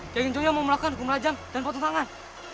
kandung sunan mau melakukan hukum rajam dan potong tangan